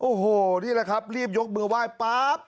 โอ้โหนี่แหละครับรีบยกมือไหว้ปั๊บ